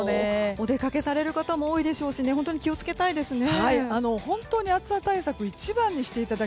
お出かけされる方も多いでしょうし本当に気を付けたいですね。